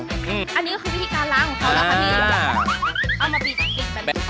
อันนี้ก็คือวิธีการล้างของเขาแล้วค่ะพี่